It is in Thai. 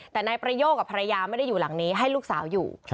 แต่นายประโยคกับภรรยาไม่ได้อยู่หลังนี้ให้ลูกสาวอยู่